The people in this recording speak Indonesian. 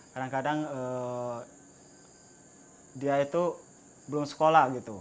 kadang kadang dia itu belum sekolah gitu